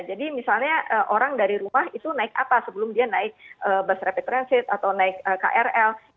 jadi misalnya orang dari rumah itu naik apa sebelum dia naik bus rapid transit atau naik kereta